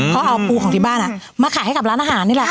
เขาเอาปูของที่บ้านมาขายให้กับร้านอาหารนี่แหละ